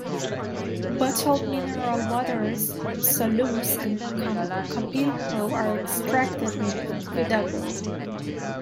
Bottled mineral waters "Salus" and "Campilho" are extracted in Vidago.